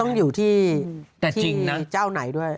ต้องอยู่ที่เจ้าไหนด้วย